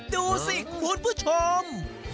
ดูสิคุณผู้ชม